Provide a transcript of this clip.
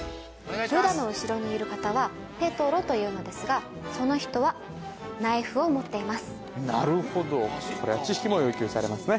ユダの後ろにいる方はペトロというのですがその人はなるほどこれは知識も要求されますね